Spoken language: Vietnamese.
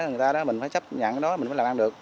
người ta đó mình phải chấp nhận cái đó mình mới làm ăn được